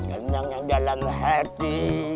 emang yang dalam hati